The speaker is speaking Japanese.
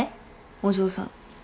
お嬢さん。